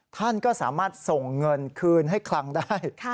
ท่านก็สามารถส่งเงินคืนให้คลังได้